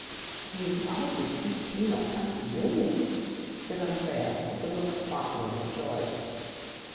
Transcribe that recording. "And he acknowledges fifteen or twenty millions," said Andrea with a look sparkling with joy.